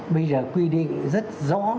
bây giờ quy định rất rõ